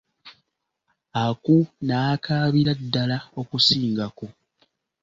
Aku n'akaabira ddala okusingako.